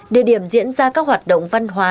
địa điểm diễn ra các hoạt động văn hóa